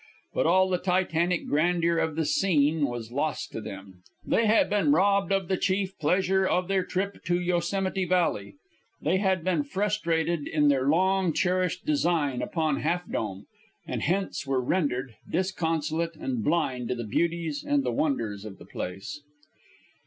But all the Titanic grandeur of the scene was lost to them. They had been robbed of the chief pleasure of their trip to Yosemite Valley. They had been frustrated in their long cherished design upon Half Dome, and hence were rendered disconsolate and blind to the beauties and the wonders of the place.